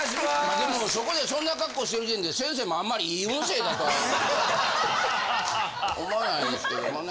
でもそこでそんな格好してる時点で先生もあんまりいい運勢だとは思わないですけどもね。